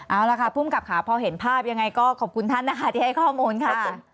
เอาล่ะค่ะภูมิกับค่ะพอเห็นภาพยังไงก็ขอบคุณท่านนะคะที่ให้ข้อมูลค่ะ